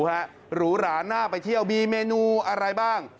หรูหราน่าไปเที่ยวมีเมนูอะไรบ้าง